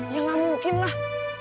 ya lah mungkin lah